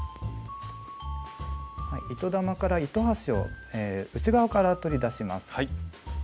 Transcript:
糸玉から糸端を内側から取り出します。